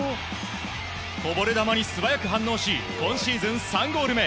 こぼれ球に素早く反応し今シーズン３ゴール目。